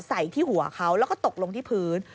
ใส่ที่หัวเขาแล้วก็ตกลงที่พื้น